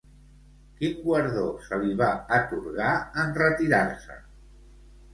Quin guardó se li va atorgar, en retirar-se?